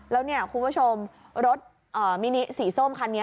แล้วเนี่ยคุณผู้ชมรถมินิสีส้มคันนี้